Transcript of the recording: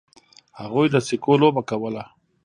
هغوی د سکو لوبه کوله.